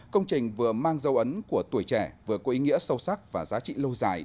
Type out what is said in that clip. công trình vừa mang dấu ấn của tuổi trẻ vừa có ý nghĩa sâu sắc và giá trị lâu dài